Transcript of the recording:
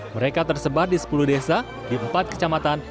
mereka tersebar di sepuluh desa di empat kecamatan